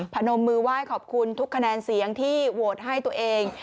พนมมือไหว้ขอบคุณทุกคะแนนเสียงที่โหวตให้ตัวเอง